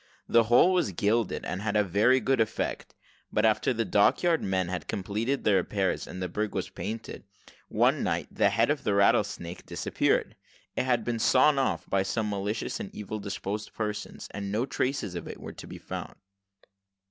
The whole was gilded, and had a very good effect; but after the dock yard men had completed the repairs, and the brig was painted, one night the head of the rattlesnake disappeared. It had been sawed off by some malicious and evil disposed persons, and no traces of it were to be found.